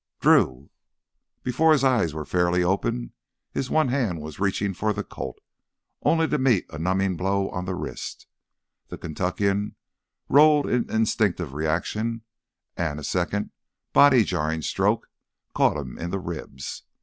"Drew—!" Before his eyes were fairly open his hand was reaching for the Colt, only to meet a numbing blow on the wrist. The Kentuckian rolled in instinctive reaction and a second, body jarring stroke caught him in the ribs.